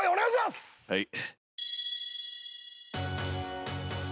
はい。